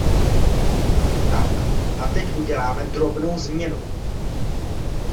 Tak, a teď uděláme drobnou změnu.